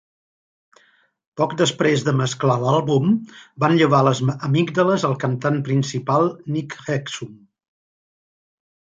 Poc després de mesclar l'àlbum, van llevar les amígdales al cantant principal Nick Hexum.